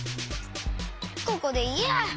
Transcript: ここでいいや。